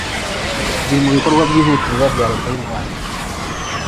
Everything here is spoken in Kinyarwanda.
biri mu bikorwa byihutirwa bya leta y'u Rwanda.